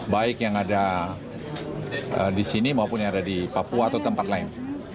baik yang ada di sini maupun yang ada di papua atau tempat lain